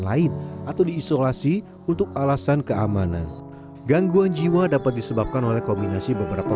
lain atau diisolasi untuk alasan keamanan gangguan jiwa dapat disebabkan oleh kombinasi beberapa